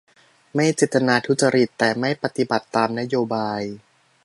ไม่เจตนาทุจริตแต่ไม่ปฏิบัติตามนโยบาย !